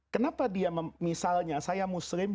kenapa dia misalnya saya muslim